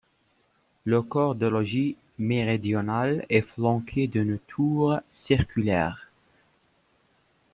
Le corps de logis méridional est flanqué d'une tour circulaire.